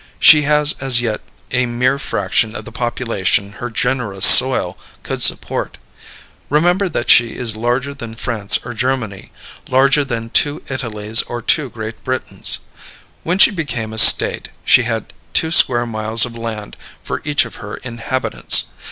She has as yet a mere fraction of the population her generous soil could support. Remember that she is larger than France or Germany, larger than two Italys or two Great Britains. When she became a State she had two square miles of land for each of her inhabitants.